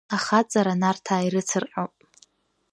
Ахаҵара Нарҭаа ирцырҟьоуп!